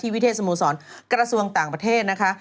วิเทศสโมสรกระทรวงต่างประเทศนะคะ